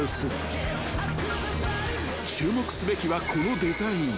［注目すべきはこのデザイン］